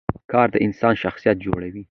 کار د انسان شخصیت جوړوي